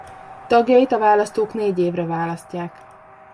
Tagjait a választók négy évre választják.